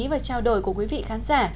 và trao đổi của quý vị khán giả